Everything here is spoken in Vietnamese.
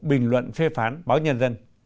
bình luận phê phán báo nhân dân